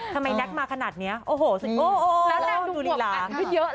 ทำไมแน็กซ์มาขนาดนี้โอ้โหแล้วแน็กซ์ดูฬีลา